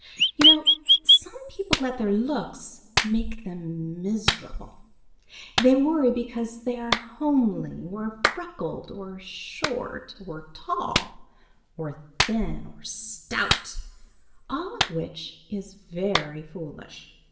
You know some people let their looks make them miserable. They worry because they are homely or freckled, or short or tall, or thin or stout, all of which is very foolish.